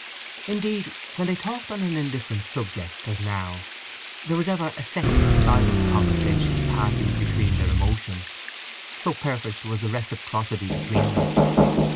Indeed when they talked on an indifferent subject, as now, there was ever a second silent conversation passing between their emotions, so perfect was the reciprocity between them.